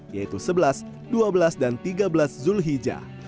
yaitu sebelas dua belas dan tiga belas zulhijjah